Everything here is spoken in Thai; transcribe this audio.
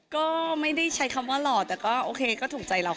ก็ไม่ได้ใช้คำว่าหล่อแต่ก็โอเคก็ถูกใจเราค่ะ